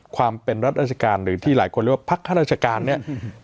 ความเป็นรัฐราชการหรือที่หลายคนเรียกว่าพักข้าราชการเนี่ย